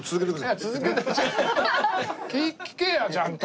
聞けよちゃんと。